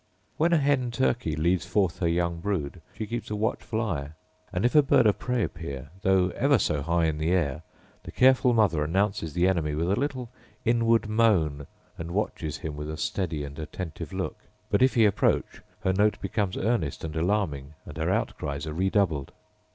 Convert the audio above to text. When a hen turkey leads forth her young brood she keeps a watchful eye: and if a bird of prey appear, though ever so high in the air, the careful mother announces the enemy with a little inward moan, and watches him with a steady and attentive look; but if he approach, her note becomes earnest and alarming, and her outcries are redoubled.